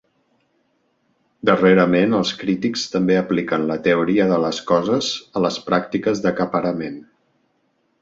Darrerament els crítics també apliquen la Teoria de les coses a les pràctiques d'acaparament.